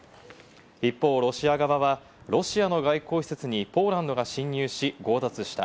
一方、ロシア側はロシアの外交施設にポーランドが侵入し、強奪した。